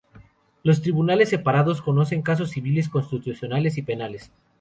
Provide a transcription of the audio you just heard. Los tribunales separados conocen casos civiles, constitucionales y penales.